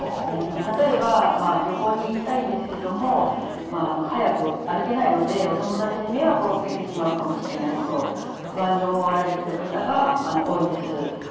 例えば「旅行に行きたいんですけども速く歩けないのでお友達に迷惑をかけてしまうかもしれない」と不安に思われてる方が多いです。